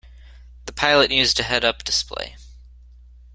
The pilot used a head-up display.